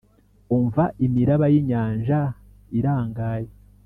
umva imiraba yinyanja irangaye,